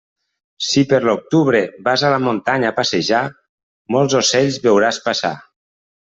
Si, per l'octubre, vas a la muntanya a passejar, molts ocells veuràs passar.